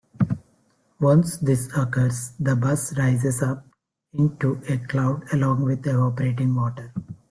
Once this occurs, the bus rises up into a cloud along with evaporating water.